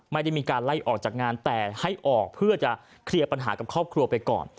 ไม่ได้มีการไล่ออกจากงานแต่ให้ออกเพื่อจะเคลียร์ปัญหากับครอบครัวไปก่อน